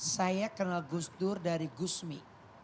saya kenal gus dur dari gusmi